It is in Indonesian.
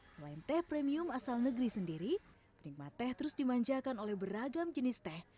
selain teh premium asal negeri sendiri penikmat teh terus dimanjakan oleh beragam jenis teh